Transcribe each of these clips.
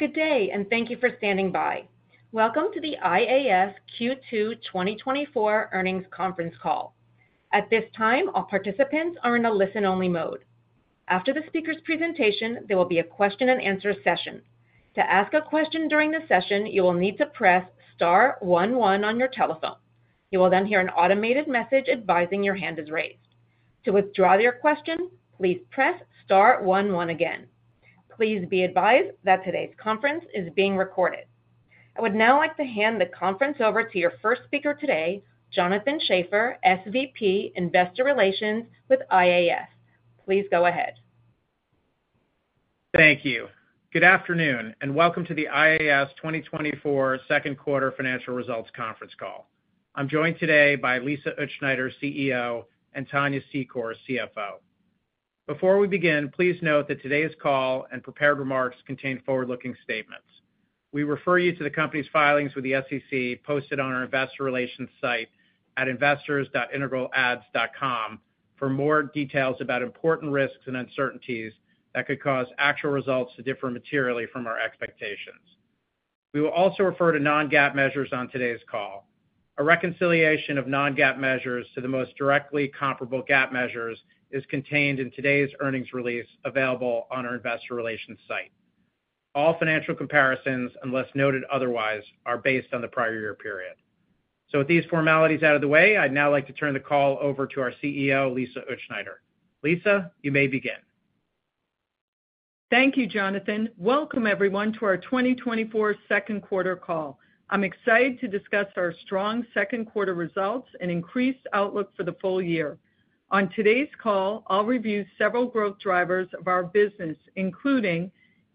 Good day, and thank you for standing by. Welcome to the IAS Q2 2024 Earnings Conference Call. At this time, all participants are in a listen-only mode. After the speaker's presentation, there will be a question-and-answer session. To ask a question during the session, you will need to press star one one on your telephone. You will then hear an automated message advising your hand is raised. To withdraw your question, please press star one one again. Please be advised that today's conference is being recorded. I would now like to hand the conference over to your first speaker today, Jonathan Schaffer, SVP, Investor Relations with IAS. Please go ahead. Thank you. Good afternoon, and welcome to the IAS 2024 Second Quarter Financial Results Conference Call. I'm joined today by Lisa Utzschneider, CEO, and Tania Secor, CFO. Before we begin, please note that today's call and prepared remarks contain forward-looking statements. We refer you to the company's filings with the SEC posted on our investor relations site at investors.integralads.com for more details about important risks and uncertainties that could cause actual results to differ materially from our expectations. We will also refer to non-GAAP measures on today's call. A reconciliation of non-GAAP measures to the most directly comparable GAAP measures is contained in today's earnings release, available on our investor relations site. All financial comparisons, unless noted otherwise, are based on the prior year period. With these formalities out of the way, I'd now like to turn the call over to our CEO, Lisa Utzschneider. Lisa, you may begin. Thank you, Jonathan. Welcome, everyone, to our 2024 Second Quarter Call. I'm excited to discuss our strong second quarter results and increased outlook for the full year. On today's call, I'll review several growth drivers of our business, including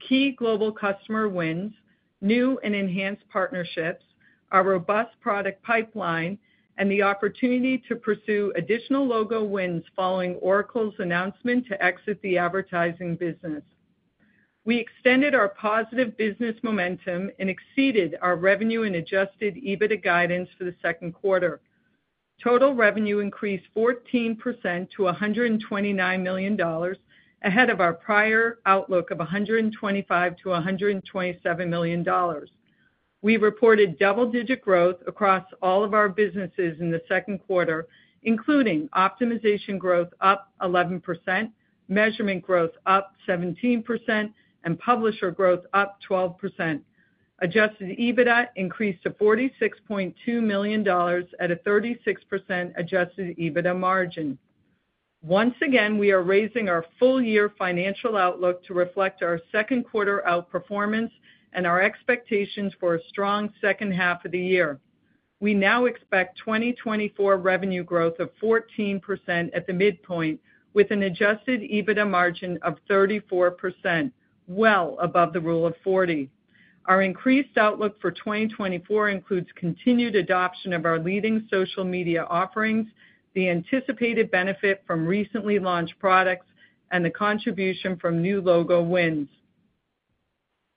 key global customer wins, new and enhanced partnerships, our robust product pipeline, and the opportunity to pursue additional logo wins following Oracle's announcement to exit the advertising business. We extended our positive business momentum and exceeded our revenue and adjusted EBITDA guidance for the second quarter. Total revenue increased 14% to $129 million, ahead of our prior outlook of $125 million-$127 million. We reported double-digit growth across all of our businesses in the second quarter, including optimization growth up 11%, measurement growth up 17%, and publisher growth up 12%. Adjusted EBITDA increased to $46.2 million at a 36% adjusted EBITDA margin. Once again, we are raising our full-year financial outlook to reflect our second quarter outperformance and our expectations for a strong second half of the year. We now expect 2024 revenue growth of 14% at the midpoint, with an adjusted EBITDA margin of 34%, well above the Rule of 40. Our increased outlook for 2024 includes continued adoption of our leading social media offerings, the anticipated benefit from recently launched products, and the contribution from new logo wins.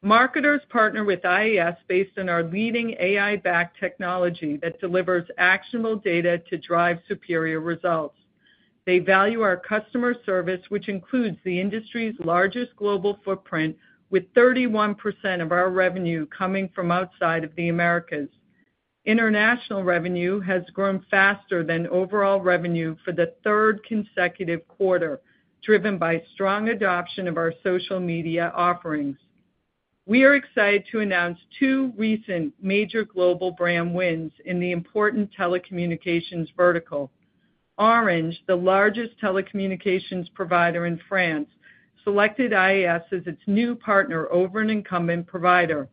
Marketers partner with IAS based on our leading AI-backed technology that delivers actionable data to drive superior results. They value our customer service, which includes the industry's largest global footprint, with 31% of our revenue coming from outside of the Americas. International revenue has grown faster than overall revenue for the third consecutive quarter, driven by strong adoption of our social media offerings. We are excited to announce 2 recent major global brand wins in the important telecommunications vertical. Orange, the largest telecommunications provider in France, selected IAS as its new partner over an incumbent provider.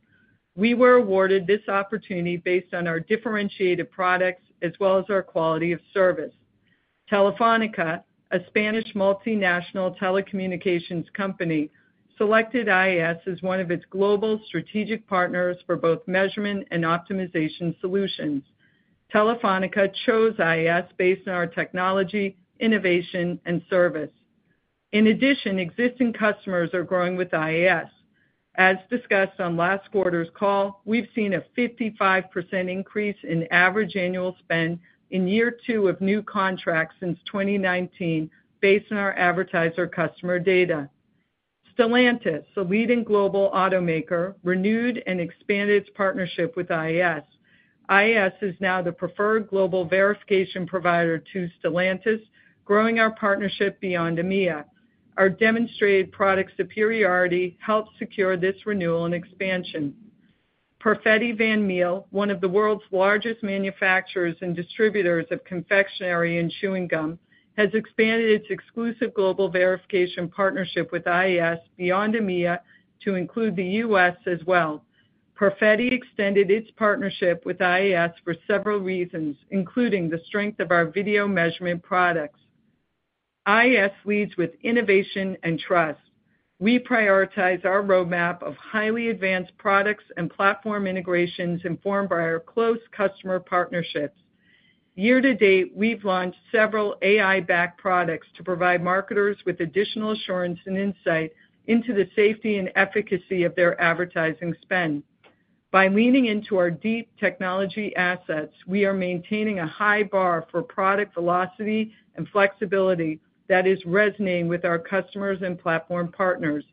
We were awarded this opportunity based on our differentiated products as well as our quality of service. Telefónica, a Spanish multinational telecommunications company, selected IAS as one of its global strategic partners for both measurement and optimization solutions. Telefónica chose IAS based on our technology, innovation, and service. In addition, existing customers are growing with IAS. As discussed on last quarter's call, we've seen a 55% increase in average annual spend in year two of new contracts since 2019, based on our advertiser customer data. Stellantis, a leading global automaker, renewed and expanded its partnership with IAS. IAS is now the preferred global verification provider to Stellantis, growing our partnership beyond EMEA. Our demonstrated product superiority helped secure this renewal and expansion. Perfetti Van Melle, one of the world's largest manufacturers and distributors of confectionery and chewing gum, has expanded its exclusive global verification partnership with IAS beyond EMEA to include the US as well. Perfetti extended its partnership with IAS for several reasons, including the strength of our video measurement products. IAS leads with innovation and trust. We prioritize our roadmap of highly advanced products and platform integrations informed by our close customer partnerships. Year to date, we've launched several AI-backed products to provide marketers with additional assurance and insight into the safety and efficacy of their advertising spend. By leaning into our deep technology assets, we are maintaining a high bar for product velocity and flexibility that is resonating with our customers and platform partners.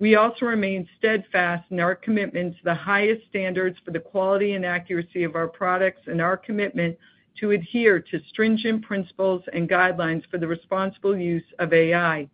We also remain steadfast in our commitment to the highest standards for the quality and accuracy of our products and our commitment to adhere to stringent principles and guidelines for the responsible use of AI.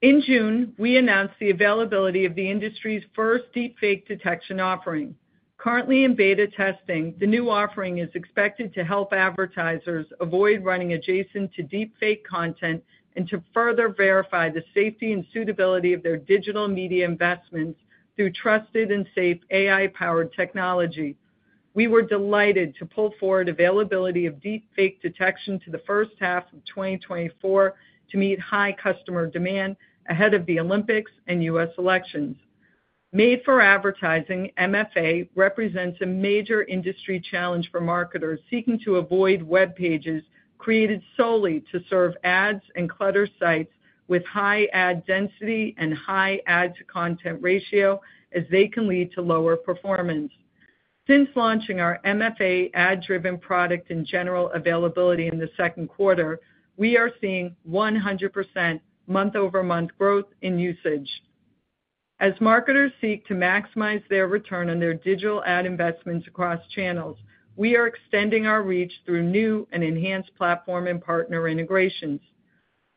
In June, we announced the availability of the industry's first Deepfake Detection offering. Currently in beta testing, the new offering is expected to help advertisers avoid running adjacent to deepfake content and to further verify the safety and suitability of their digital media investments through trusted and safe AI-powered technology. We were delighted to pull forward availability of Deepfake Detection to the first half of 2024 to meet high customer demand ahead of the Olympics and U.S. elections. Made for Advertising, MFA, represents a major industry challenge for marketers seeking to avoid webpages created solely to serve ads and clutter sites with high ad density and high ad-to-content ratio, as they can lead to lower performance. Since launching our MFA ad-driven product in general availability in the second quarter, we are seeing 100% month-over-month growth in usage. As marketers seek to maximize their return on their digital ad investments across channels, we are extending our reach through new and enhanced platform and partner integrations.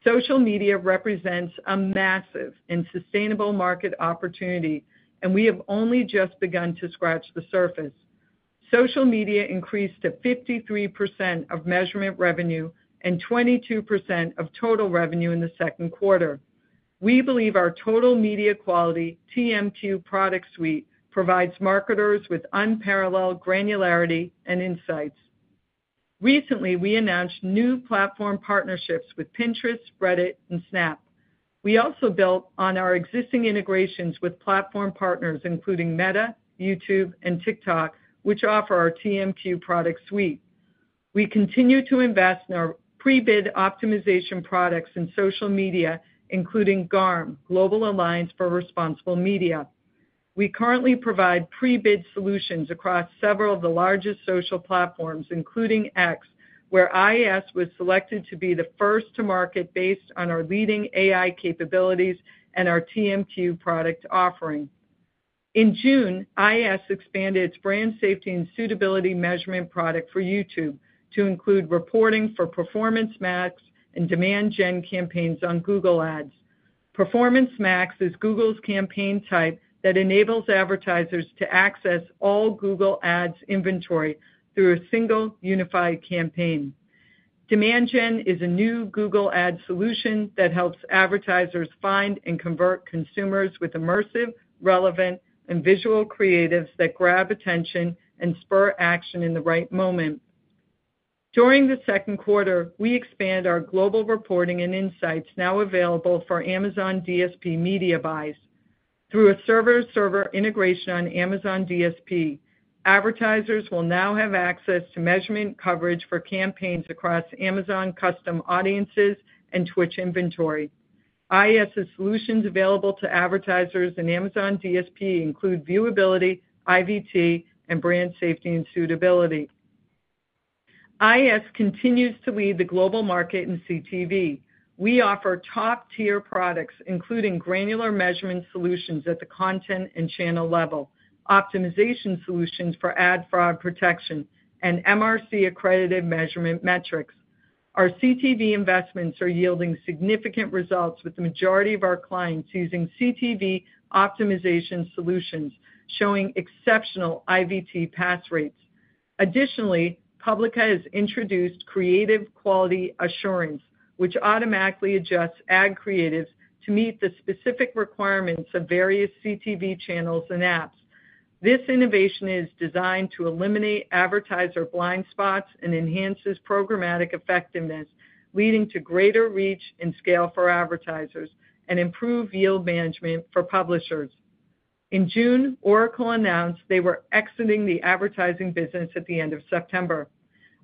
Social media represents a massive and sustainable market opportunity, and we have only just begun to scratch the surface. Social media increased to 53% of measurement revenue and 22% of total revenue in the second quarter. We believe our Total Media Quality, TMQ, product suite provides marketers with unparalleled granularity and insights. Recently, we announced new platform partnerships with Pinterest, Reddit, and Snap. We also built on our existing integrations with platform partners, including Meta, YouTube, and TikTok, which offer our TMQ product suite. We continue to invest in our pre-bid optimization products in social media, including GARM, Global Alliance for Responsible Media. We currently provide pre-bid solutions across several of the largest social platforms, including X, where IAS was selected to be the first to market based on our leading AI capabilities and our TMQ product offering. In June, IAS expanded its brand safety and suitability measurement product for YouTube to include reporting for Performance Max and Demand Gen campaigns on Google Ads. Performance Max is Google's campaign type that enables advertisers to access all Google Ads inventory through a single unified campaign. Demand Gen is a new Google Ads solution that helps advertisers find and convert consumers with immersive, relevant, and visual creatives that grab attention and spur action in the right moment. During the second quarter, we expanded our global reporting and insights now available for Amazon DSP media buys. Through a server-to-server integration on Amazon DSP, advertisers will now have access to measurement coverage for campaigns across Amazon Custom Audiences and Twitch inventory. IAS' solutions available to advertisers in Amazon DSP include Viewability, IVT, and Brand Safety and Suitability. IAS continues to lead the global market in CTV. We offer top-tier products, including granular measurement solutions at the content and channel level, optimization solutions for ad fraud protection, and MRC-accredited measurement metrics. Our CTV investments are yielding significant results, with the majority of our clients using CTV optimization solutions, showing exceptional IVT pass rates. Additionally, Publica has introduced Creative Quality Assurance, which automatically adjusts ad creatives to meet the specific requirements of various CTV channels and apps. This innovation is designed to eliminate advertiser blind spots and enhances programmatic effectiveness, leading to greater reach and scale for advertisers and improved yield management for publishers. In June, Oracle announced they were exiting the advertising business at the end of September.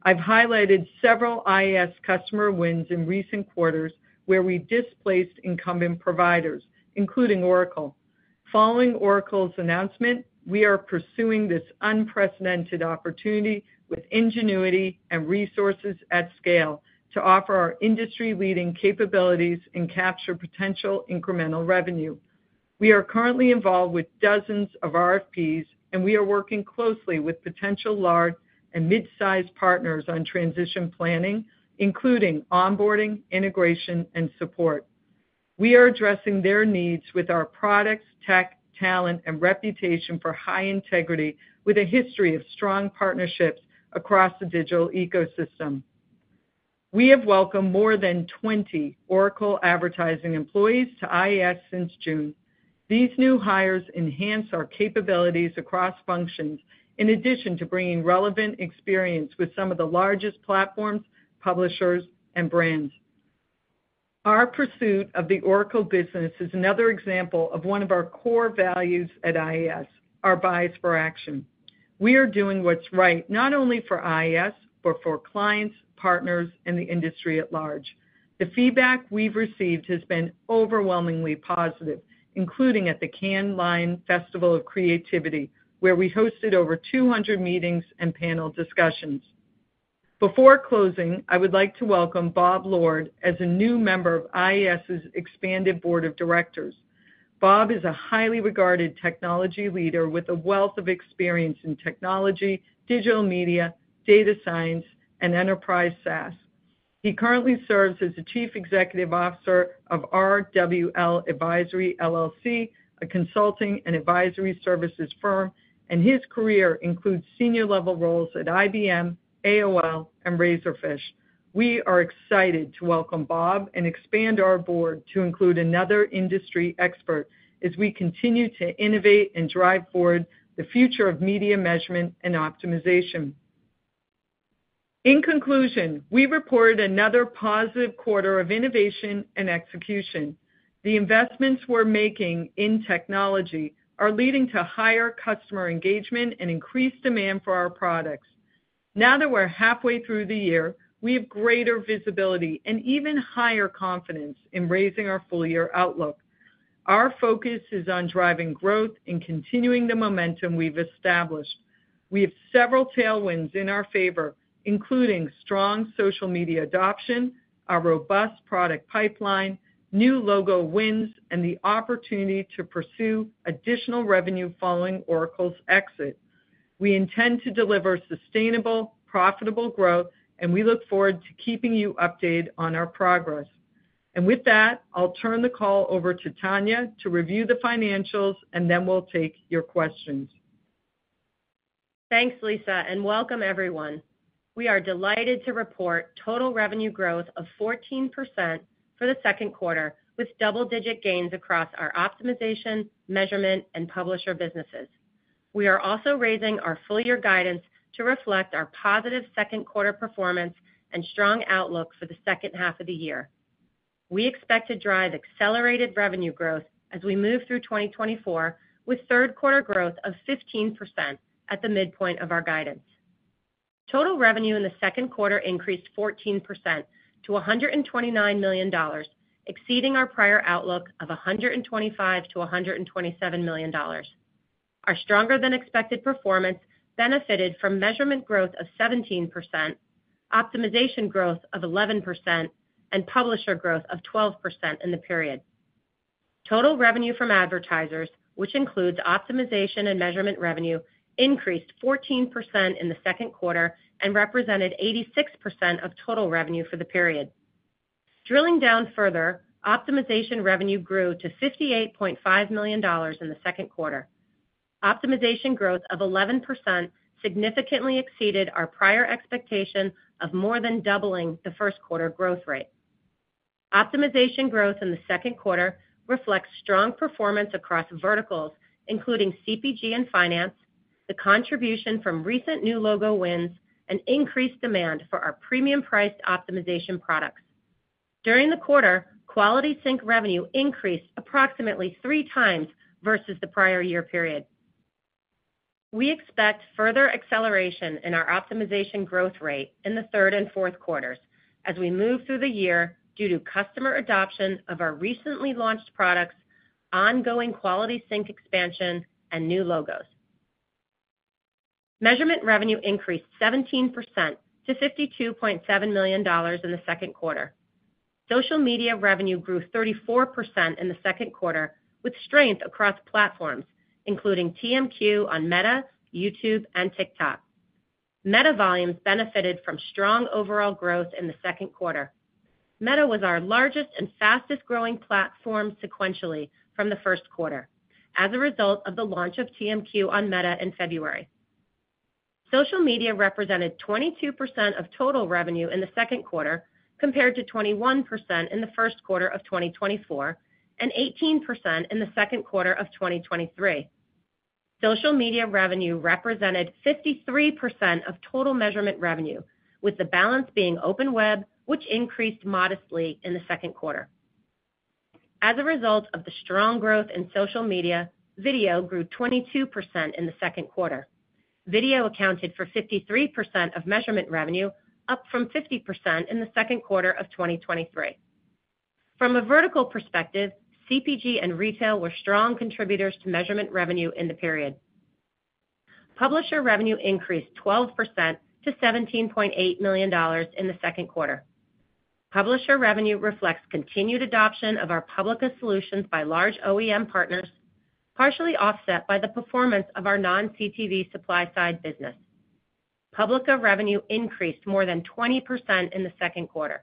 I've highlighted several IAS customer wins in recent quarters where we displaced incumbent providers, including Oracle. Following Oracle's announcement, we are pursuing this unprecedented opportunity with ingenuity and resources at scale to offer our industry-leading capabilities and capture potential incremental revenue. We are currently involved with dozens of RFPs, and we are working closely with potential large and mid-sized partners on transition planning, including onboarding, integration, and support. We are addressing their needs with our products, tech, talent, and reputation for high integrity, with a history of strong partnerships across the digital ecosystem. We have welcomed more than 20 Oracle advertising employees to IAS since June. These new hires enhance our capabilities across functions, in addition to bringing relevant experience with some of the largest platforms, publishers, and brands. Our pursuit of the Oracle business is another example of one of our core values at IAS, our bias for action. We are doing what's right, not only for IAS, but for clients, partners, and the industry at large. The feedback we've received has been overwhelmingly positive, including at the Cannes Lions Festival of Creativity, where we hosted over 200 meetings and panel discussions. Before closing, I would like to welcome Bob Lord as a new member of IAS's expanded board of directors. Bob is a highly regarded technology leader with a wealth of experience in technology, digital media, data science, and enterprise SaaS. He currently serves as the Chief Executive Officer of RWL Advisory LLC, a consulting and advisory services firm, and his career includes senior-level roles at IBM, AOL, and Razorfish. We are excited to welcome Bob and expand our board to include another industry expert as we continue to innovate and drive forward the future of media measurement and optimization. In conclusion, we reported another positive quarter of innovation and execution. The investments we're making in technology are leading to higher customer engagement and increased demand for our products. Now that we're halfway through the year, we have greater visibility and even higher confidence in raising our full-year outlook. Our focus is on driving growth and continuing the momentum we've established. We have several tailwinds in our favor, including strong social media adoption, a robust product pipeline, new logo wins, and the opportunity to pursue additional revenue following Oracle's exit. We intend to deliver sustainable, profitable growth, and we look forward to keeping you updated on our progress. With that, I'll turn the call over to Tania to review the financials, and then we'll take your questions. Thanks, Lisa, and welcome everyone. We are delighted to report total revenue growth of 14% for the second quarter, with double-digit gains across our optimization, measurement, and publisher businesses. We are also raising our full-year guidance to reflect our positive second quarter performance and strong outlook for the second half of the year. We expect to drive accelerated revenue growth as we move through 2024, with third quarter growth of 15% at the midpoint of our guidance. Total revenue in the second quarter increased 14% to $129 million, exceeding our prior outlook of $125 million-$127 million. Our stronger-than-expected performance benefited from measurement growth of 17%, optimization growth of 11%, and publisher growth of 12% in the period. Total revenue from advertisers, which includes optimization and measurement revenue, increased 14% in the second quarter and represented 86% of total revenue for the period. Drilling down further, optimization revenue grew to $58.5 million in the second quarter. Optimization growth of 11% significantly exceeded our prior expectation of more than doubling the first quarter growth rate. Optimization growth in the second quarter reflects strong performance across verticals, including CPG and finance, the contribution from recent new logo wins, and increased demand for our premium-priced optimization products. During the quarter, Quality Sync revenue increased approximately 3 times versus the prior year period. We expect further acceleration in our optimization growth rate in the third and fourth quarters as we move through the year due to customer adoption of our recently launched products, ongoing Quality Sync expansion, and new logos. Measurement revenue increased 17% to $52.7 million in the second quarter. Social media revenue grew 34% in the second quarter, with strength across platforms, including TMQ on Meta, YouTube, and TikTok. Meta volumes benefited from strong overall growth in the second quarter. Meta was our largest and fastest-growing platform sequentially from the first quarter as a result of the launch of TMQ on Meta in February. Social media represented 22% of total revenue in the second quarter, compared to 21% in the first quarter of 2024 and 18% in the second quarter of 2023. Social media revenue represented 53% of total measurement revenue, with the balance being open web, which increased modestly in the second quarter. As a result of the strong growth in social media, video grew 22% in the second quarter. Video accounted for 53% of measurement revenue, up from 50% in the second quarter of 2023. From a vertical perspective, CPG and retail were strong contributors to measurement revenue in the period. Publisher revenue increased 12% to $17.8 million in the second quarter. Publisher revenue reflects continued adoption of our Publica solutions by large OEM partners, partially offset by the performance of our non-CTV supply-side business. Publica revenue increased more than 20% in the second quarter.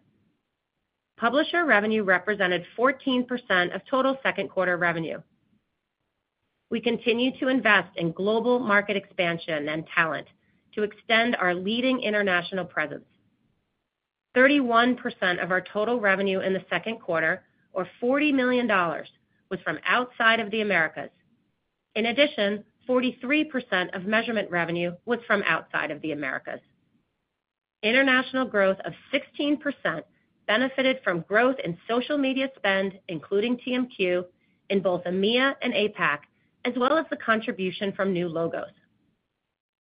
Publisher revenue represented 14% of total second quarter revenue. We continue to invest in global market expansion and talent to extend our leading international presence. 31% of our total revenue in the second quarter, or $40 million, was from outside of the Americas. In addition, 43% of measurement revenue was from outside of the Americas. International growth of 16% benefited from growth in social media spend, including TMQ, in both EMEA and APAC, as well as the contribution from new logos.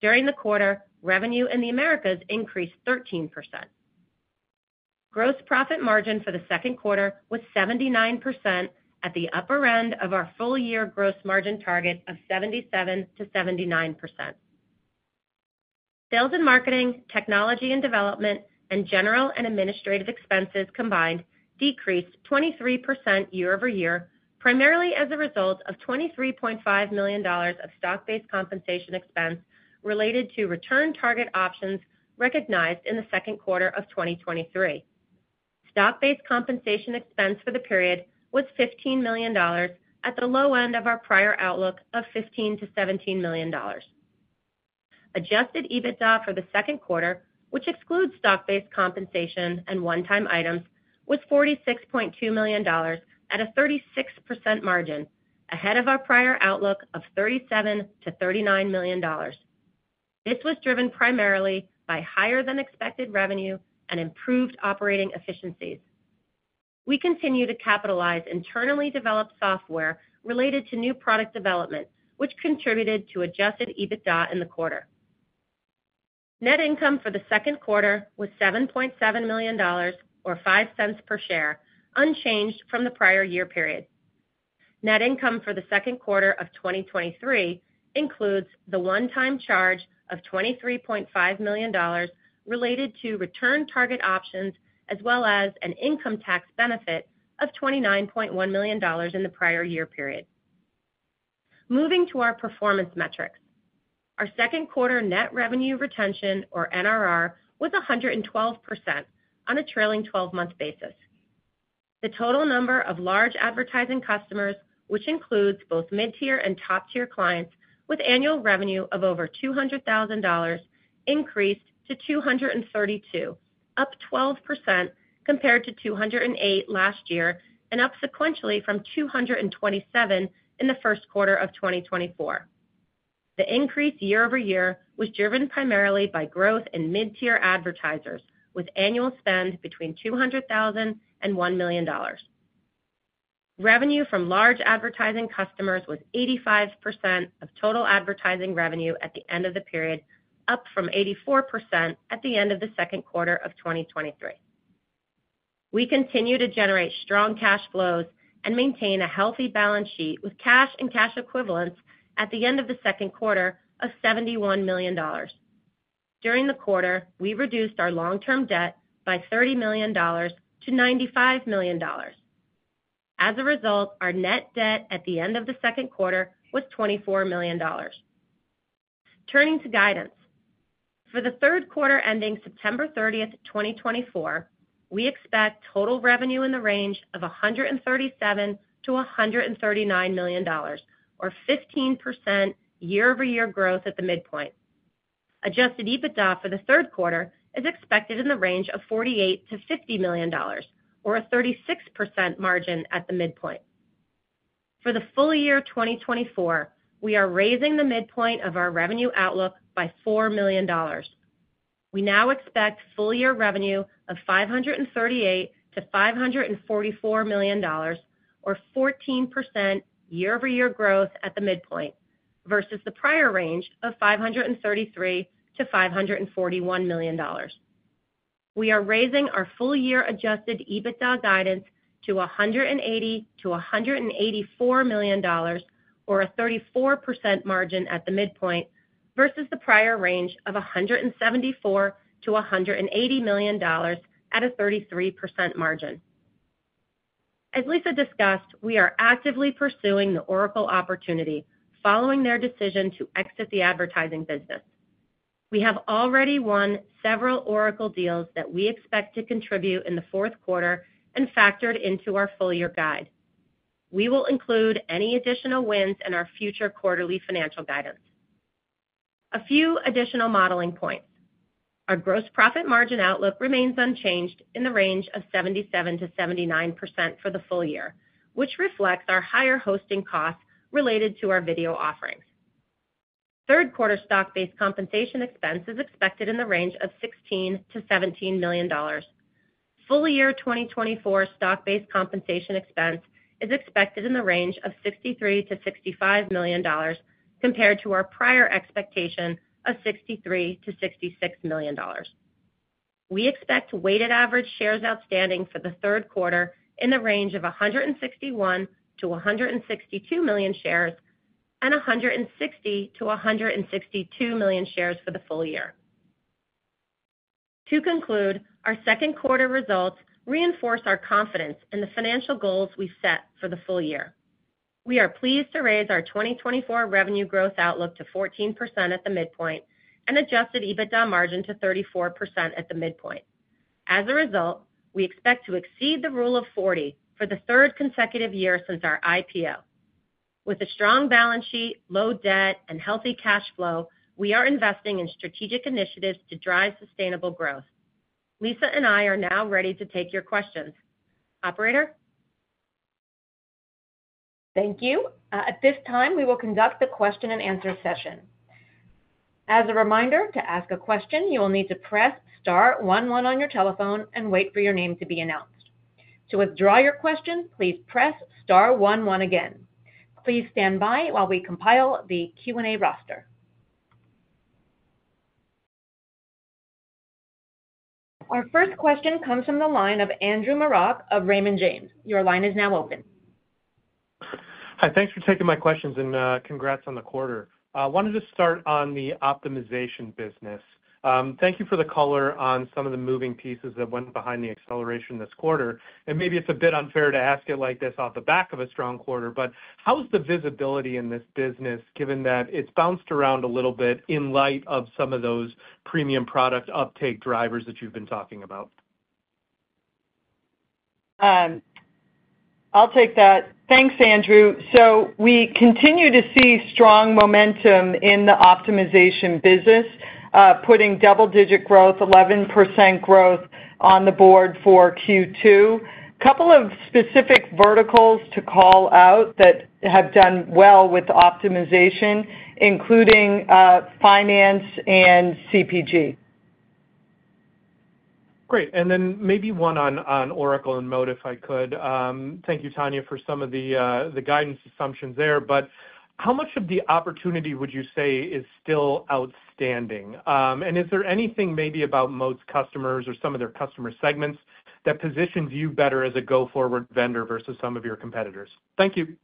During the quarter, revenue in the Americas increased 13%. Gross profit margin for the second quarter was 79% at the upper end of our full-year gross margin target of 77%-79%. Sales and marketing, technology and development, and general and administrative expenses combined decreased 23% year-over-year, primarily as a result of $23.5 million of stock-based compensation expense related to Return Target Options recognized in the second quarter of 2023. Stock-based compensation expense for the period was $15 million, at the low end of our prior outlook of $15 million-$17 million. Adjusted EBITDA for the second quarter, which excludes stock-based compensation and one-time items, was $46.2 million at a 36% margin, ahead of our prior outlook of $37 million-$39 million. This was driven primarily by higher-than-expected revenue and improved operating efficiencies. We continue to capitalize internally developed software related to new product development, which contributed to adjusted EBITDA in the quarter. Net income for the second quarter was $7.7 million, or $0.05 per share, unchanged from the prior year period. Net income for the second quarter of 2023 includes the one-time charge of $23.5 million related to Return Target Options, as well as an income tax benefit of $29.1 million in the prior year period. Moving to our performance metrics. Our second quarter net revenue retention, or NRR, was 112% on a trailing 12-month basis. The total number of large advertising customers, which includes both mid-tier and top-tier clients with annual revenue of over $200,000, increased to 232, up 12% compared to 208 last year, and up sequentially from 227 in the first quarter of 2024. The increase year-over-year was driven primarily by growth in mid-tier advertisers, with annual spend between $200,000 and $1 million. Revenue from large advertising customers was 85% of total advertising revenue at the end of the period, up from 84% at the end of the second quarter of 2023. We continue to generate strong cash flows and maintain a healthy balance sheet, with cash and cash equivalents at the end of the second quarter of $71 million. During the quarter, we reduced our long-term debt by $30 million to $95 million. As a result, our net debt at the end of the second quarter was $24 million. Turning to guidance. For the third quarter, ending September 30, 2024, we expect total revenue in the range of $137 million-$139 million, or 15% year-over-year growth at the midpoint. Adjusted EBITDA for the third quarter is expected in the range of $48 million-$50 million, or a 36% margin at the midpoint. For the full year 2024, we are raising the midpoint of our revenue outlook by $4 million. We now expect full-year revenue of $538 million-$544 million, or 14% year-over-year growth at the midpoint, versus the prior range of $533 million-$541 million. We are raising our full-year Adjusted EBITDA guidance to $180 million-$184 million, or a 34% margin at the midpoint, versus the prior range of $174 million-$180 million at a 33% margin. As Lisa discussed, we are actively pursuing the Oracle opportunity, following their decision to exit the advertising business. We have already won several Oracle deals that we expect to contribute in the fourth quarter and factored into our full-year guide. We will include any additional wins in our future quarterly financial guidance. A few additional modeling points. Our gross profit margin outlook remains unchanged in the range of 77%-79% for the full year, which reflects our higher hosting costs related to our video offerings. Third quarter stock-based compensation expense is expected in the range of $16 million-$17 million. Full year 2024 stock-based compensation expense is expected in the range of $63 million-$65 million, compared to our prior expectation of $63 million-$66 million. We expect weighted average shares outstanding for the third quarter in the range of 161 million-162 million shares, and 160 million-162 million shares for the full year. To conclude, our second quarter results reinforce our confidence in the financial goals we set for the full year. We are pleased to raise our 2024 revenue growth outlook to 14% at the midpoint and adjusted EBITDA margin to 34% at the midpoint. As a result, we expect to exceed the Rule of 40 for the third consecutive year since our IPO. With a strong balance sheet, low debt, and healthy cash flow, we are investing in strategic initiatives to drive sustainable growth. Lisa and I are now ready to take your questions. Operator? Thank you. At this time, we will conduct the question-and-answer session. As a reminder, to ask a question, you will need to press star one one on your telephone and wait for your name to be announced. To withdraw your question, please press star one one again. Please stand by while we compile the Q&A roster. Our first question comes from the line of Andrew Marok of Raymond James. Your line is now open. Hi, thanks for taking my questions, and, congrats on the quarter. I wanted to start on the optimization business. Thank you for the color on some of the moving pieces that went behind the acceleration this quarter, and maybe it's a bit unfair to ask it like this off the back of a strong quarter, but how is the visibility in this business, given that it's bounced around a little bit in light of some of those premium product uptake drivers that you've been talking about? I'll take that. Thanks, Andrew. So we continue to see strong momentum in the optimization business, putting double-digit growth, 11% growth on the board for Q2. Couple of specific verticals to call out that have done well with optimization, including, finance and CPG. Great. And then maybe one on Oracle and Moat, if I could. Thank you, Tania, for some of the, the guidance assumptions there, but how much of the opportunity would you say is still outstanding? And is there anything maybe about Moat's customers or some of their customer segments that positions you better as a go-forward vendor versus some of your competitors? Thank you.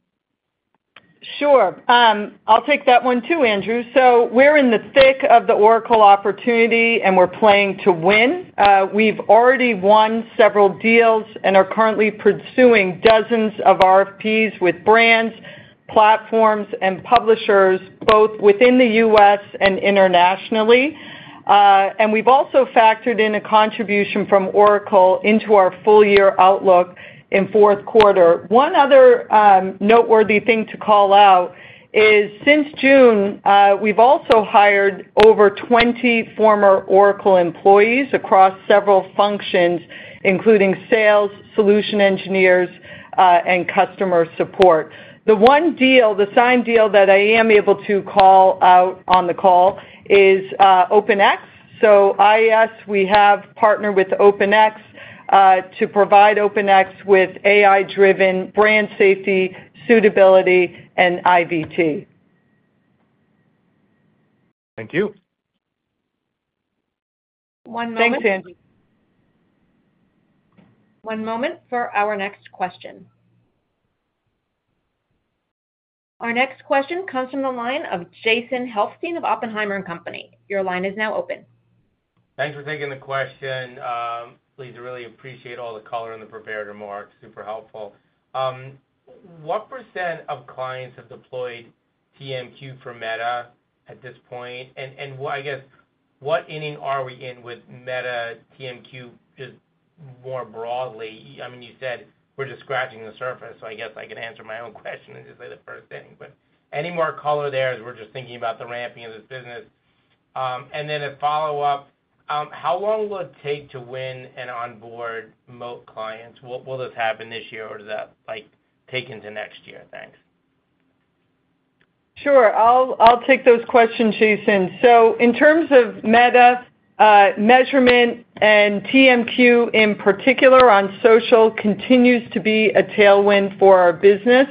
Sure. I'll take that one too, Andrew. So we're in the thick of the Oracle opportunity, and we're playing to win. We've already won several deals and are currently pursuing dozens of RFPs with brands, platforms, and publishers, both within the U.S. and internationally. And we've also factored in a contribution from Oracle into our full-year outlook in fourth quarter. One other noteworthy thing to call out is, since June, we've also hired over 20 former Oracle employees across several functions, including sales, solution engineers, and customer support. The one deal, the signed deal that I am able to call out on the call is OpenX. So IAS, we have partnered with OpenX to provide OpenX with AI-driven brand safety, suitability, and IVT. Thank you. One moment. Thanks, Andrew. One moment for our next question. Our next question comes from the line of Jason Helfstein of Oppenheimer & Co. Your line is now open. Thanks for taking the question. Pleased to really appreciate all the color in the prepared remarks. Super helpful. What % of clients have deployed TMQ for Meta at this point? And what, I guess, what inning are we in with Meta TMQ, just more broadly? I mean, you said we're just scratching the surface, so I guess I could answer my own question and just say the first inning. But any more color there as we're just thinking about the ramping of this business? And then a follow-up. How long will it take to win and onboard Moat clients? Will this happen this year, or does that, like, take into next year? Thanks. Sure. I'll take those questions, Jason. So in terms of Meta, measurement and TMQ in particular on social continues to be a tailwind for our business,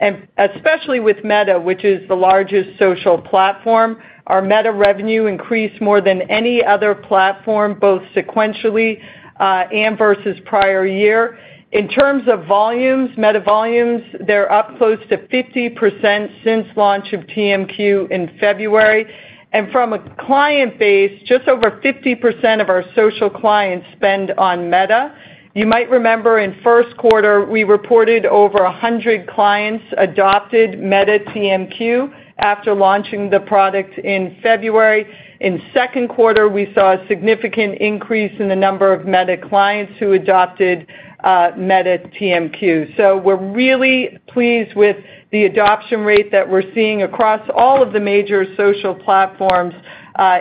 and especially with Meta, which is the largest social platform. Our Meta revenue increased more than any other platform, both sequentially, and versus prior year. In terms of volumes, Meta volumes, they're up close to 50% since launch of TMQ in February. And from a client base, just over 50% of our social clients spend on Meta. You might remember in first quarter, we reported over 100 clients adopted Meta TMQ after launching the product in February. In second quarter, we saw a significant increase in the number of Meta clients who adopted Meta TMQ. So we're really pleased with the adoption rate that we're seeing across all of the major social platforms,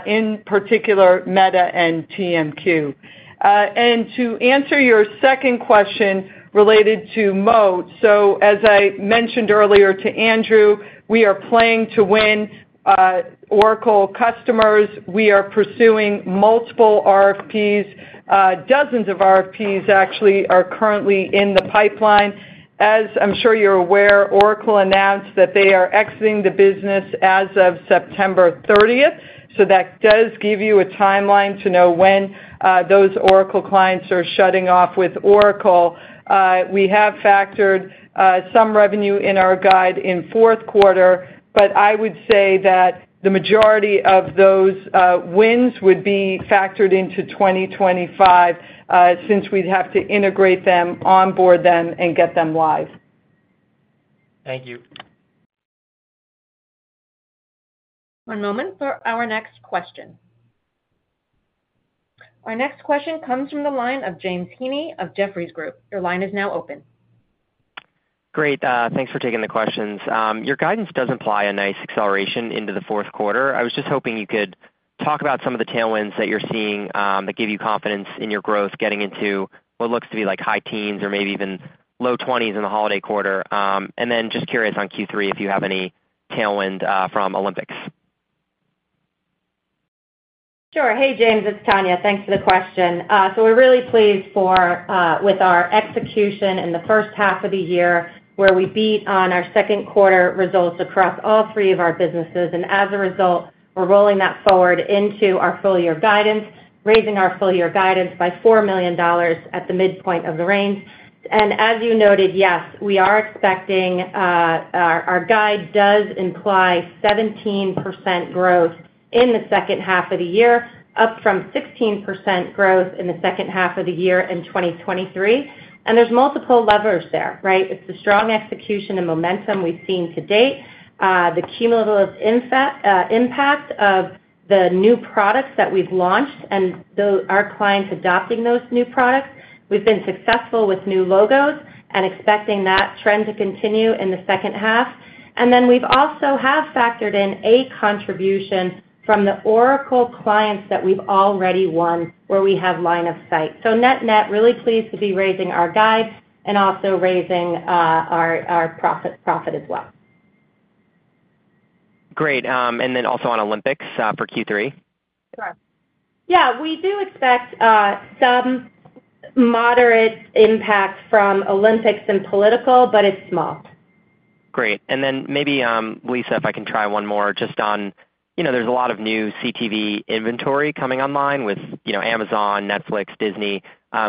in particular, Meta and TMQ. To answer your second question related to Moat, so as I mentioned earlier to Andrew, we are playing to win, Oracle customers. We are pursuing multiple RFPs. Dozens of RFPs actually are currently in the pipeline. As I'm sure you're aware, Oracle announced that they are exiting the business as of September thirtieth, so that does give you a timeline to know when, those Oracle clients are shutting off with Oracle. We have factored, some revenue in our guide in fourth quarter, but I would say that the majority of those, wins would be factored into 2025, since we'd have to integrate them, onboard them, and get them live. Thank you. One moment for our next question. Our next question comes from the line of James Heaney of Jefferies Group. Your line is now open. Great, thanks for taking the questions. Your guidance does imply a nice acceleration into the fourth quarter. I was just hoping you could talk about some of the tailwinds that you're seeing that give you confidence in your growth, getting into what looks to be like high teens or maybe even low twenties in the holiday quarter. And then just curious on Q3, if you have any tailwind from Olympics. Sure. Hey, James, it's Tania. Thanks for the question. So we're really pleased with our execution in the first half of the year, where we beat on our second quarter results across all three of our businesses. And as a result, we're rolling that forward into our full year guidance, raising our full year guidance by $4 million at the midpoint of the range. And as you noted, yes, we are expecting our guide does imply 17% growth in the second half of the year, up from 16% growth in the second half of the year in 2023. And there's multiple levers there, right? It's the strong execution and momentum we've seen to date, the cumulative impact of the new products that we've launched and our clients adopting those new products. We've been successful with new logos and expecting that trend to continue in the second half. And then we've also have factored in a contribution from the Oracle clients that we've already won, where we have line of sight. So net-net, really pleased to be raising our guide and also raising our profit as well. Great, and then also on Olympics, for Q3? Sure. Yeah, we do expect some moderate impact from Olympics and political, but it's small. Great. And then maybe, Lisa, if I can try one more just on, you know, there's a lot of new CTV inventory coming online with, you know, Amazon, Netflix, Disney.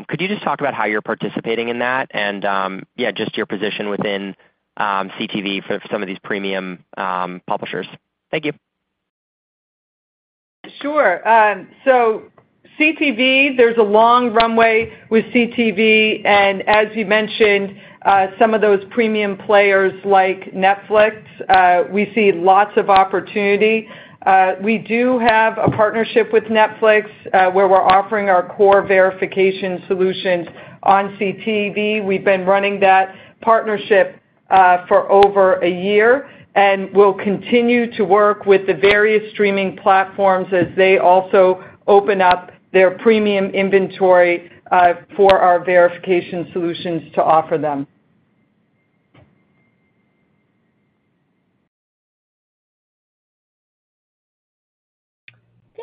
Could you just talk about how you're participating in that? And, yeah, just your position within, CTV for some of these premium, publishers. Thank you. Sure. So CTV, there's a long runway with CTV, and as you mentioned, some of those premium players like Netflix, we see lots of opportunity. We do have a partnership with Netflix, where we're offering our core verification solutions on CTV. We've been running that partnership, for over a year, and we'll continue to work with the various streaming platforms as they also open up their premium inventory, for our verification solutions to offer them.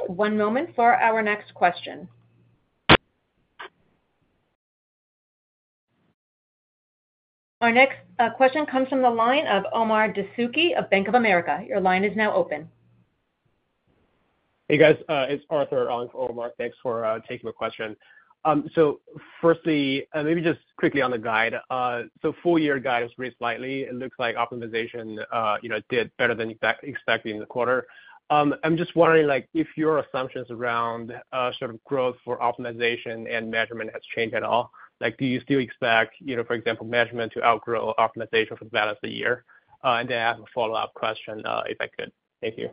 One moment for our next question. Our next question comes from the line of Omar Dessouki of Bank of America. Your line is now open. Hey, guys, it's Arthur, Omar. Thanks for taking my question. So firstly, maybe just quickly on the guide. So full year guide is raised slightly. It looks like optimization, you know, did better than expected in the quarter. I'm just wondering, like, if your assumptions around sort of growth for optimization and measurement has changed at all? Like, do you still expect, you know, for example, measurement to outgrow optimization for the balance of the year? And then I have a follow-up question, if I could. Thank you.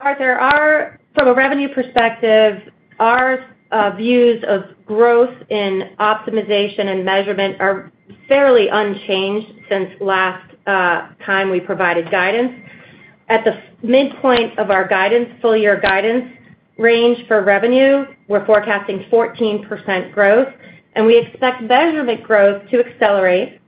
Arthur, from a revenue perspective, our views of growth in optimization and measurement are fairly unchanged since last time we provided guidance. At the midpoint of our full year guidance range for revenue, we're forecasting 14% growth, and we expect measurement growth to accelerate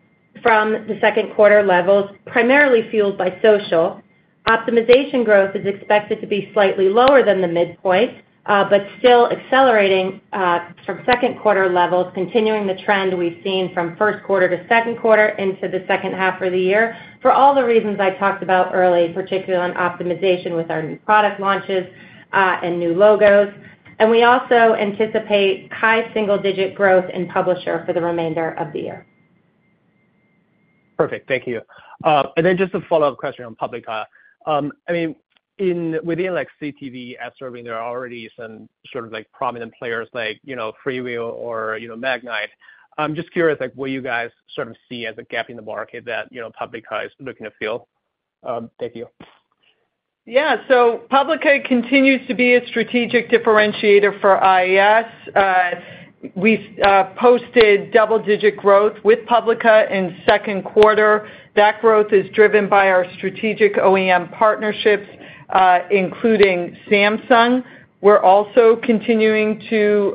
from the second quarter levels, primarily fueled by social. Optimization growth is expected to be slightly lower than the midpoint, but still accelerating from second quarter levels, continuing the trend we've seen from first quarter to second quarter into the second half of the year. For all the reasons I talked about early, particularly on optimization with our new product launches and new logos. We also anticipate high single-digit growth in publisher for the remainder of the year. Perfect. Thank you. And then just a follow-up question on Publica. I mean, within, like, CTV ad serving, there are already some sort of, like, prominent players like, you know, FreeWheel or, you know, Magnite. I'm just curious, like, what you guys sort of see as a gap in the market that, you know, Publica is looking to fill? Thank you. Yeah, so Publica continues to be a strategic differentiator for IAS. We've posted double-digit growth with Publica in second quarter. That growth is driven by our strategic OEM partnerships, including Samsung. We're also continuing to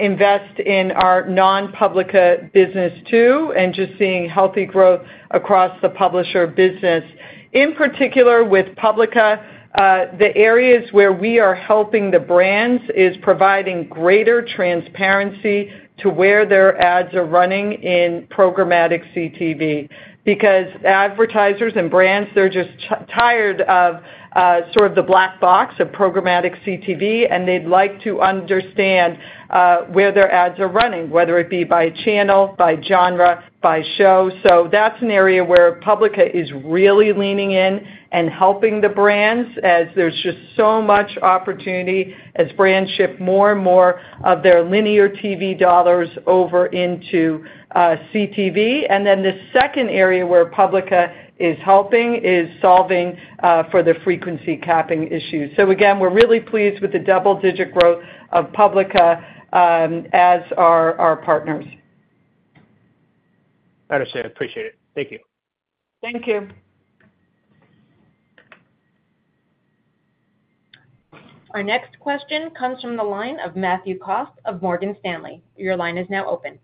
invest in our non-Publica business, too, and just seeing healthy growth across the publisher business. In particular, with Publica, the areas where we are helping the brands is providing greater transparency to where their ads are running in programmatic CTV. Because advertisers and brands, they're just tired of, sort of the black box of programmatic CTV, and they'd like to understand, where their ads are running, whether it be by channel, by genre, by show. So that's an area where Publica is really leaning in and helping the brands as there's just so much opportunity as brands shift more and more of their linear TV dollars over into CTV. And then the second area where Publica is helping is solving for the frequency capping issues. So again, we're really pleased with the double-digit growth of Publica, as are our partners. Understand. Appreciate it. Thank you. Thank you. Our next question comes from the line of Matthew Kost of Morgan Stanley. Your line is now open.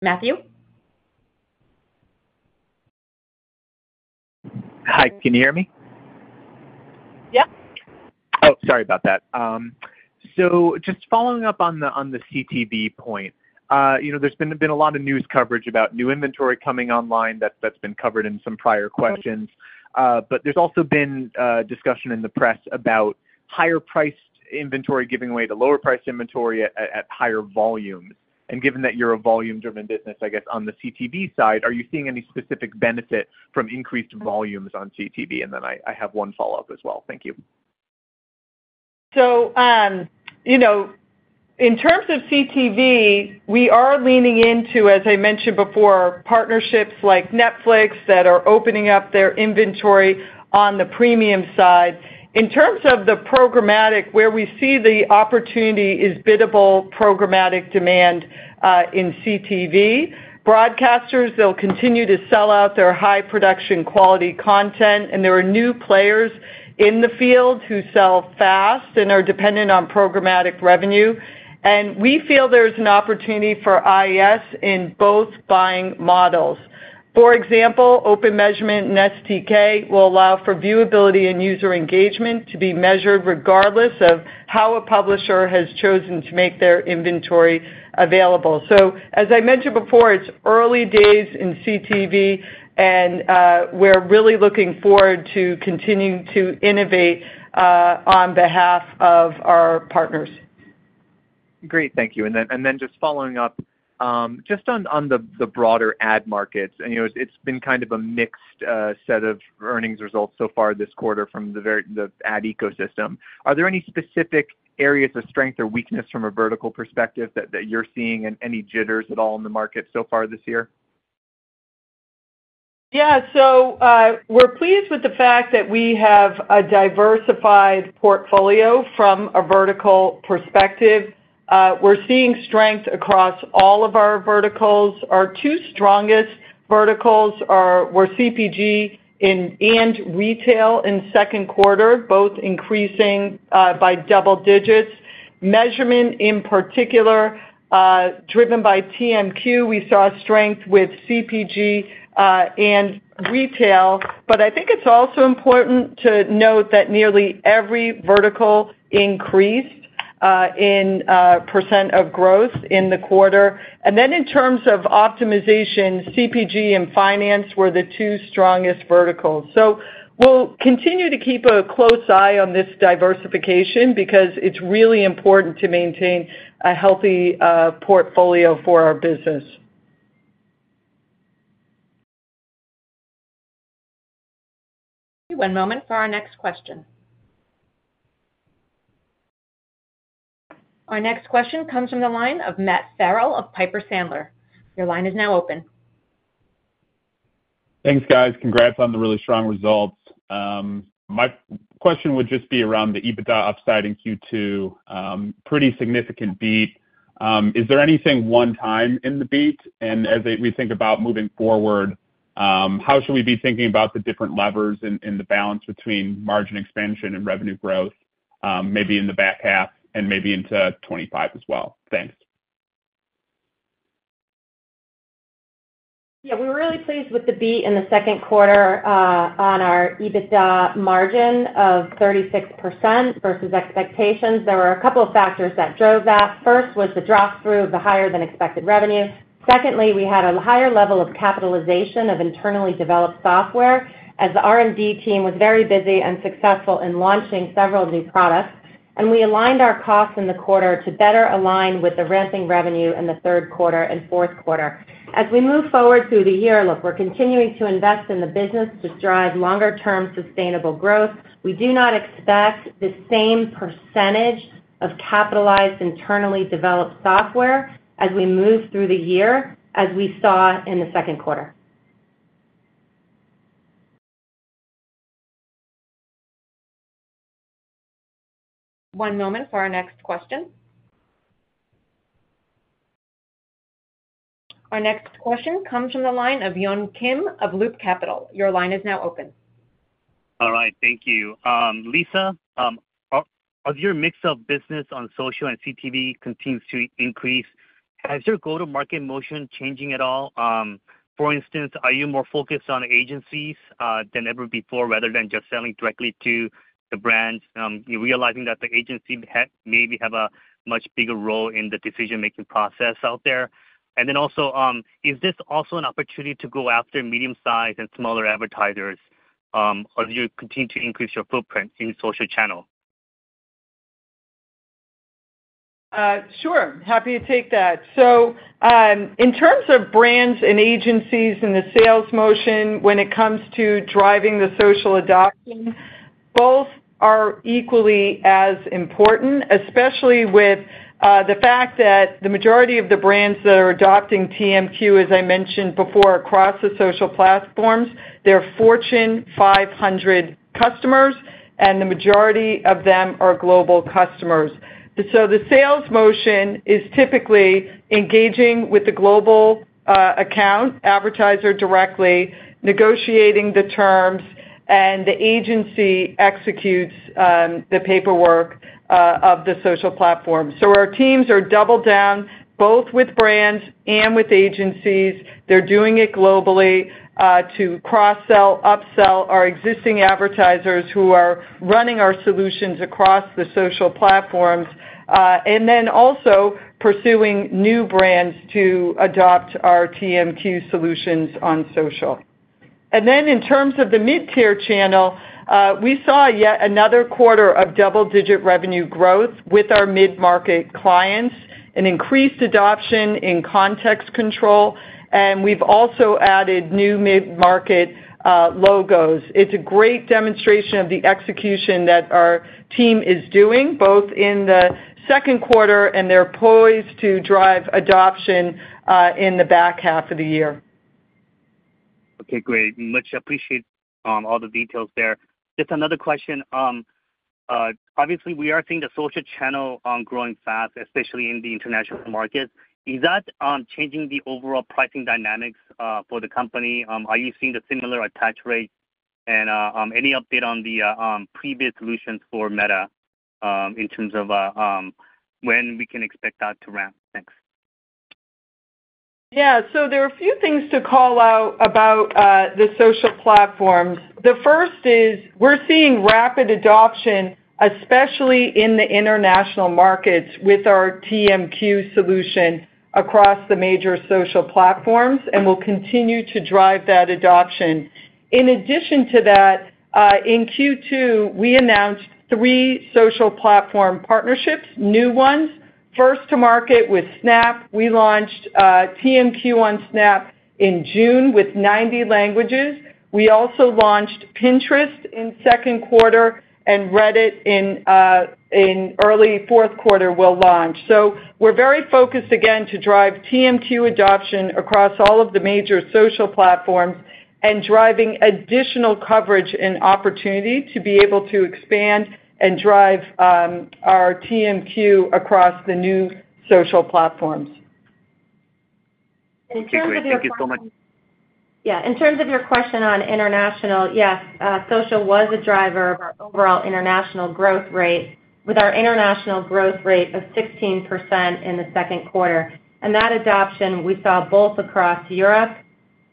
Matthew? Hi, can you hear me? Yep. Oh, sorry about that. So just following up on the CTV point. You know, there's been a lot of news coverage about new inventory coming online that's been covered in some prior questions. But there's also been discussion in the press about higher priced inventory giving way to lower priced inventory at higher volumes. And given that you're a volume-driven business, I guess on the CTV side, are you seeing any specific benefit from increased volumes on CTV? And then I have one follow-up as well. Thank you. So, you know, in terms of CTV, we are leaning into, as I mentioned before, partnerships like Netflix, that are opening up their inventory on the premium side. In terms of the programmatic, where we see the opportunity is biddable, programmatic demand, in CTV. Broadcasters, they'll continue to sell out their high production quality content, and there are new players in the field who sell fast and are dependent on programmatic revenue. And we feel there's an opportunity for IS in both buying models. For example, Open Measurement and SDK will allow for viewability and user engagement to be measured, regardless of how a publisher has chosen to make their inventory available. So as I mentioned before, it's early days in CTV, and, we're really looking forward to continuing to innovate, on behalf of our partners. Great, thank you. And then just following up just on the broader ad markets, and, you know, it's been kind of a mixed set of earnings results so far this quarter from the ad ecosystem. Are there any specific areas of strength or weakness from a vertical perspective that you're seeing and any jitters at all in the market so far this year? Yeah. So, we're pleased with the fact that we have a diversified portfolio from a vertical perspective. We're seeing strength across all of our verticals. Our two strongest verticals are were CPG and retail in second quarter, both increasing by double digits. Measurement, in particular, driven by TMQ. We saw strength with CPG and retail, but I think it's also important to note that nearly every vertical increased in percent of growth in the quarter. And then in terms of optimization, CPG and finance were the two strongest verticals. So we'll continue to keep a close eye on this diversification because it's really important to maintain a healthy portfolio for our business. One moment for our next question. Our next question comes from the line of Matt Farrell of Piper Sandler. Your line is now open. Thanks, guys. Congrats on the really strong results. My question would just be around the EBITDA upside in Q2, pretty significant beat. Is there anything one time in the beat? And as we think about moving forward, how should we be thinking about the different levers and the balance between margin expansion and revenue growth, maybe in the back half and maybe into 2025 as well? Thanks. Yeah, we're really pleased with the beat in the second quarter on our EBITDA margin of 36% versus expectations. There were a couple of factors that drove that. First, was the drop-through of the higher than expected revenue. Secondly, we had a higher level of capitalization of internally developed software, as the R&D team was very busy and successful in launching several of these products. And we aligned our costs in the quarter to better align with the ramping revenue in the third quarter and fourth quarter. As we move forward through the year, look, we're continuing to invest in the business to drive longer term sustainable growth. We do not expect the same percentage of capitalized, internally developed software as we move through the year, as we saw in the second quarter. One moment for our next question. Our next question comes from the line of Yun Kim, of Loop Capital. Your line is now open. All right, thank you. Lisa, of your mix of business on social and CTV continues to increase, has your go-to-market motion changing at all? For instance, are you more focused on agencies than ever before, rather than just selling directly to the brands? You're realizing that the agency maybe have a much bigger role in the decision-making process out there. And then also, is this also an opportunity to go after medium-sized and smaller advertisers, as you continue to increase your footprint in social channel? Sure, happy to take that. So, in terms of brands and agencies and the sales motion, when it comes to driving the social adoption, both are equally as important, especially with the fact that the majority of the brands that are adopting TMQ, as I mentioned before, across the social platforms, they're Fortune 500 customers and the majority of them are global customers. So the sales motion is typically engaging with the global account advertiser directly, negotiating the terms, and the agency executes the paperwork of the social platform. So our teams are doubled down, both with brands and with agencies. They're doing it globally to cross-sell, upsell our existing advertisers who are running our solutions across the social platforms, and then also pursuing new brands to adopt our TMQ solutions on social. And then in terms of the mid-tier channel, we saw yet another quarter of double-digit revenue growth with our mid-market clients, an increased adoption in Context Control, and we've also added new mid-market logos. It's a great demonstration of the execution that our team is doing, both in the second quarter, and they're poised to drive adoption in the back half of the year. Okay, great. Much appreciate all the details there. Just another question, obviously, we are seeing the social channel growing fast, especially in the international markets. Is that changing the overall pricing dynamics for the company? Are you seeing the similar attach rate? Any update on the pre-bid solutions for Meta, in terms of when we can expect that to ramp? Thanks. Yeah. So there are a few things to call out about the social platforms. The first is, we're seeing rapid adoption, especially in the international markets, with our TMQ solution across the major social platforms, and we'll continue to drive that adoption. In addition to that, in Q2, we announced 3 social platform partnerships, new ones. First to market with Snap, we launched TMQ on Snap in June with 90 languages. We also launched Pinterest in second quarter, and Reddit in early fourth quarter will launch. So we're very focused, again, to drive TMQ adoption across all of the major social platforms and driving additional coverage and opportunity to be able to expand and drive our TMQ across the new social platforms. Thank you so much. Yeah, in terms of your question on international, yes, social was a driver of our overall international growth rate, with our international growth rate of 16% in the second quarter. And that adoption, we saw both across Europe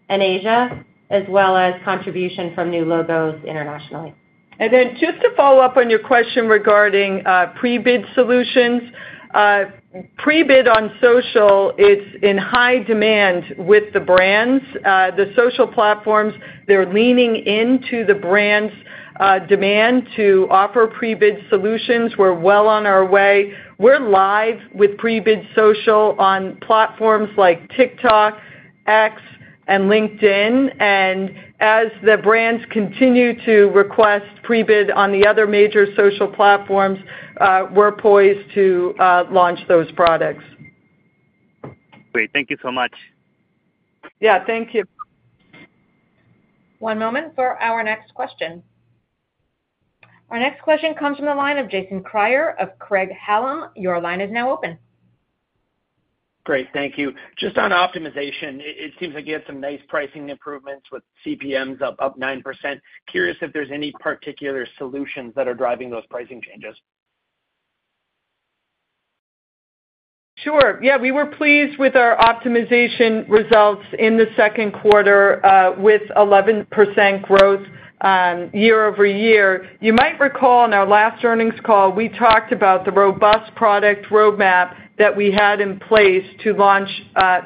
and Asia, as well as contribution from new logos internationally. Then just to follow up on your question regarding pre-bid solutions. Pre-bid on social, it's in high demand with the brands. The social platforms, they're leaning into the brands' demand to offer pre-bid solutions. We're well on our way. We're live with pre-bid social on platforms like TikTok, X, and LinkedIn, and as the brands continue to request pre-bid on the other major social platforms, we're poised to launch those products. Great. Thank you so much. Yeah, thank you. One moment for our next question. Our next question comes from the line of Jason Kreyer of Craig-Hallum. Your line is now open. Great, thank you. Just on optimization, it seems like you have some nice pricing improvements with CPMs up 9%. Curious if there's any particular solutions that are driving those pricing changes? Sure. Yeah, we were pleased with our optimization results in the second quarter with 11% growth year-over-year. You might recall in our last earnings call, we talked about the robust product roadmap that we had in place to launch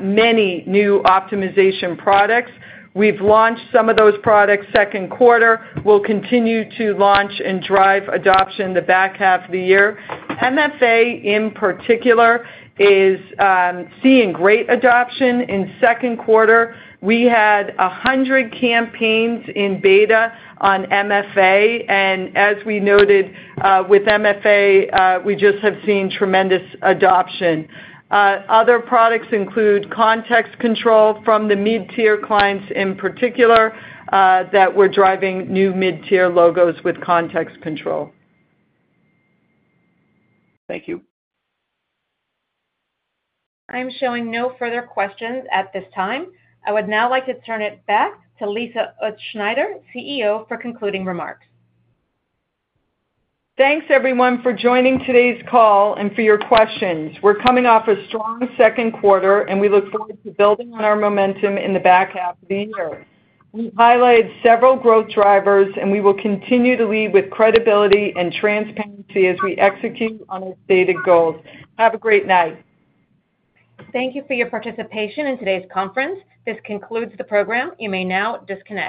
many new optimization products. We've launched some of those products second quarter. We'll continue to launch and drive adoption in the back half of the year. MFA, in particular, is seeing great adoption. In second quarter, we had 100 campaigns in beta on MFA, and as we noted with MFA, we just have seen tremendous adoption. Other products include Context Control from the mid-tier clients, in particular, that we're driving new mid-tier logos with Context Control. Thank you. I'm showing no further questions at this time. I would now like to turn it back to Lisa Utzschneider, CEO, for concluding remarks. Thanks, everyone, for joining today's call and for your questions. We're coming off a strong second quarter, and we look forward to building on our momentum in the back half of the year. We've highlighted several growth drivers, and we will continue to lead with credibility and transparency as we execute on our stated goals. Have a great night. Thank you for your participation in today's conference. This concludes the program. You may now disconnect.